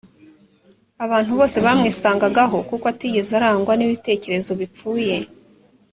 abantu bose bamwisangagaho kuko atigeze arangwa n’ibitekerezo bipfuye